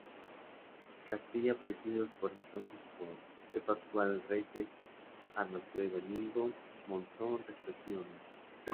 Castilla presididos por entonces por D. Pascual Reyes Armas y D. Domingo Monzón respectivamente.